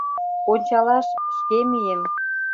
Ончалаш шке мием.